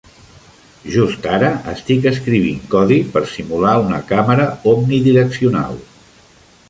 Just ara estic escrivint codi per simular una càmera omnidireccional.